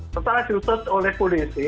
setelah diutut oleh polisi